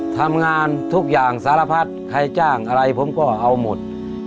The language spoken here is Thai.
ทำงานทุกอย่างสารพัดใครจ้างอะไรผมก็เอาหมด